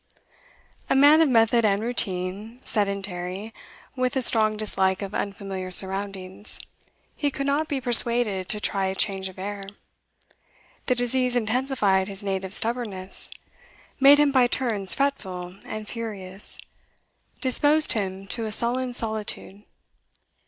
A man of method and routine, sedentary, with a strong dislike of unfamiliar surroundings, he could not be persuaded to try change of air. The disease intensified his native stubbornness, made him by turns fretful and furious, disposed him to a sullen solitude.